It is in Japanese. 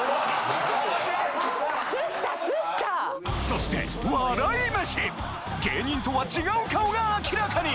そして芸人とは違う顔が明らかに！